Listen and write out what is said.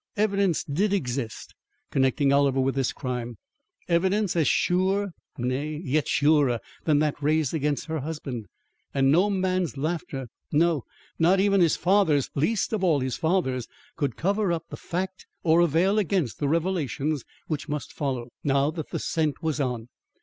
Evidence did exist connecting Oliver with this crime; evidence as sure, nay, yet surer, than that raised against her husband; and no man's laughter, no, not even his father's least of all his father's could cover up the fact or avail against the revelations which must follow, now that the scent was on.